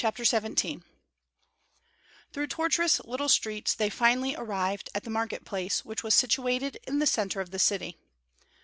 XVII Through tortuous little streets they finally arrived at the market place which was situated in the center of the city.